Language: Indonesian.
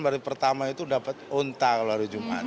baru pertama itu dapat untah kalau hari jumat